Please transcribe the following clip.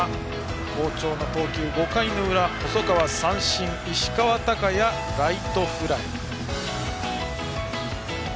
好調の投球５回の裏、細川は三振石川昂弥、ライトフライ。